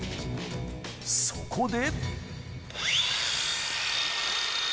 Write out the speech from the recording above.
そこで。